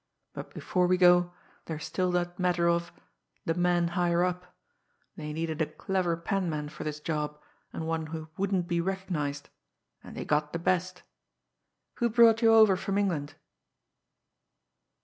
but before we go, there's still that matter of the men higher up. They needed a clever penman for this job and one who wouldn't be recognised and they got the best! Who brought you over from England?"